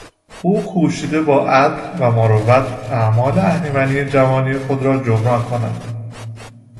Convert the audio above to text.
او کوشید با عدل و مروت اعمال اهریمنی جوانی خود را جبران کند.